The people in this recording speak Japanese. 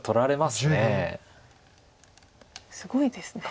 すごいですね。